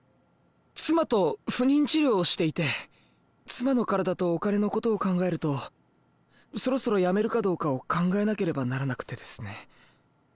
妻と不妊治療をしていて妻の体とお金のことを考えるとそろそろやめるかどうかを考えなければならなくてですね。